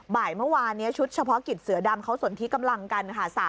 บ่ายเมื่อวานนี้ชุดเฉพาะกิจเสือดำเขาสนที่กำลังกันค่ะ